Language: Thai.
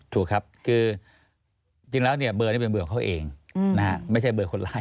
ถูกครับคือจริงแล้วเนี่ยเบอร์นี้เป็นเบอร์ของเขาเองไม่ใช่เบอร์คนร้าย